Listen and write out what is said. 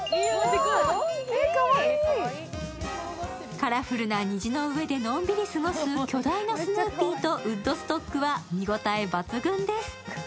カラフルな虹の上でのんびりと過ごす巨大なスヌーピーとウッドストックは見応え抜群です。